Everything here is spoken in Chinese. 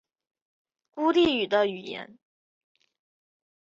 孤立语的语言。